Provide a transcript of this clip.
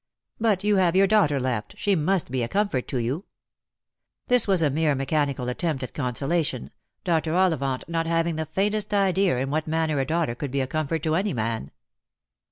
" But you have your daughter left, she must be a comfort to you." This was a mere mechanical attempt at consolation, Dr. Ollivant not having the faintest idea in what manner a daughter could be a comfort to any man.